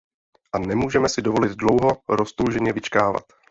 A nemůžeme si dovolit dlouho roztouženě vyčkávat.